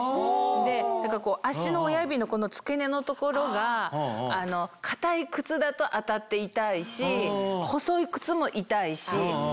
で足の親指の付け根の所が硬い靴だと当たって痛いし細い靴も痛いし。